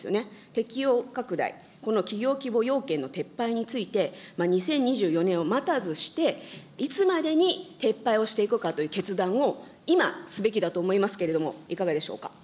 適用拡大、この企業規模要件の撤廃について、２０２４年を待たずしていつまでに撤廃をしていくかという決断を今、すべきだと思いますけれども、いかがでしょうか。